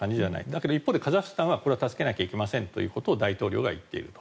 だけど一方でカザフスタンはこれは助けないといけませんということを大統領が言っている。